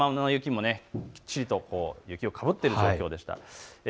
山の雪もぎっちりと雪をかぶっている状態でした。